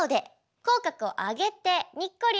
口角を上げてにっこり